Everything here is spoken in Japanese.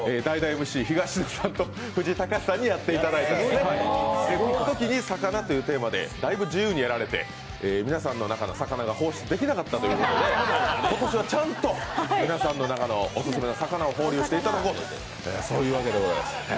ＭＣ東野さんと藤井隆さんでやっていただいたんですが、そのときに「さかな」というテーマでだいぶ自由にやられて皆さんの中の「さかな」が放出できなかったということで今年はちゃんと、皆さんの中のオススメの魚を放流していただこうと、そういうわけでございます。